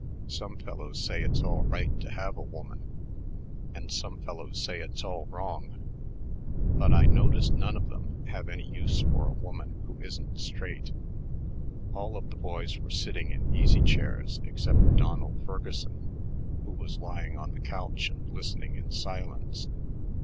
Some fellows say it's all right to have a woman, and some fellows say it's all wrong, but I notice none of them have any use for a woman who isn't straight." All of the boys were sitting in easy chairs except Donald Ferguson, who was lying on the couch and listening in silence.